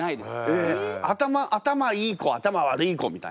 えっ頭いい子頭悪い子みたいな。